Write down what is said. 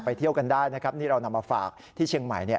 เที่ยวกันได้นะครับนี่เรานำมาฝากที่เชียงใหม่เนี่ย